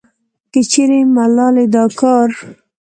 کچېرې ملالې دا کار